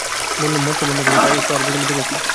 বললুম, মদ তো বন্ধ করবে, তার বদলে দেবে কী।